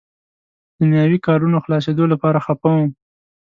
د دنیاوي کارونو خلاصېدو لپاره خفه وم.